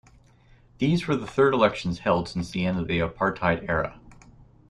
These were the third elections held since the end of the apartheid era.